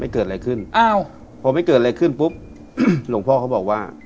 เกิดอะไรขึ้นอ้าวพอไม่เกิดอะไรขึ้นปุ๊บหลวงพ่อเขาบอกว่า